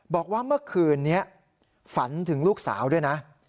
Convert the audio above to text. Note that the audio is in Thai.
บอกว่าเมื่อคืนนี้ฝันถึงลูกสาวด้วยนะ